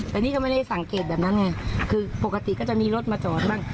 แต่นี่ก็ไม่ได้สังเกตแบบนั้นไงคือปกติก็จะมีรถมาจอดบ้าง